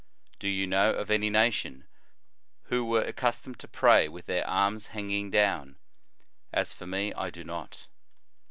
Do you know of any nation who were accustomed to pray with their arms hanging down? As for me, I do not.